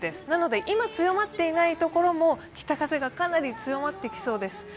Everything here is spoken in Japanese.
なので今強まっていないところも北風がかなり強まってきそうです。